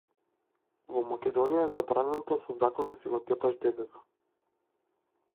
Во Македонија е забрането со закон да си го тепаш детето.